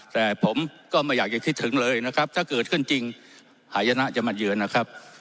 แต่ผมก็ไม่อยากจะคิดถึงเลยนะครับถ้าเกิดขึ้นจริงหายนะจะมาเยือนนะครับ